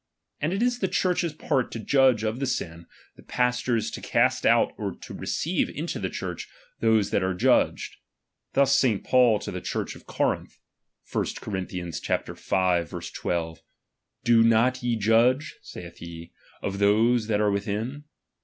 And it is the Church's part to judge of the sin, the pastor's to cast out or to receive into the Church those that are judged. Thus St. Paul to the Church of Corinth (1 Cor. v. 12) : Do not ye judge, saith he, of those that are within